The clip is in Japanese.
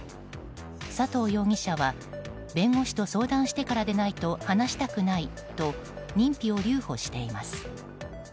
佐藤容疑者は弁護士と相談してからでないと話したくないと認否を留保しています。